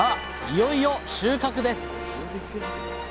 いよいよ収穫です！